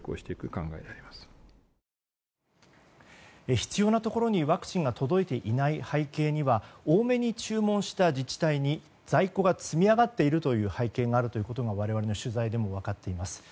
必要なところにワクチンが届いていない背景には多めに注文した自治体に在庫が積み上がっているという背景があることが我々の取材でも分かっています。